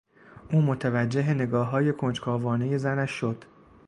او متوجه نگاههای کنجکاوانهی زنش شد.